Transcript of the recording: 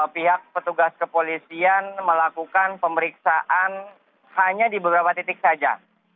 pihak petugas kepolisian melakukan pemeriksaan hanya di beberapa titik saja